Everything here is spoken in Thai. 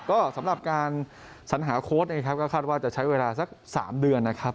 ก็สำหรับการสัญหาโค้ดเองครับก็คาดว่าจะใช้เวลาสัก๓เดือนนะครับ